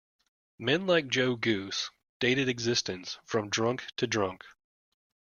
Men like Joe Goose dated existence from drunk to drunk.